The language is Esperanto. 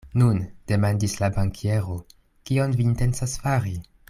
Nun, demandis la bankiero, kion vi intencas fari?